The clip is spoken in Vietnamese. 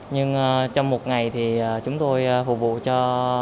nhưng trong một ngày thì chúng tôi phục vụ cho